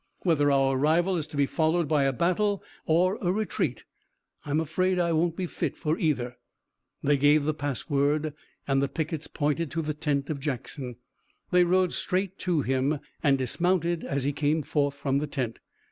"Whether our arrival is to be followed by a battle or a retreat I'm afraid I won't be fit for either." They gave the password, and the pickets pointed to the tent of Jackson. They rode straight to him, and dismounted as he came forth from the tent.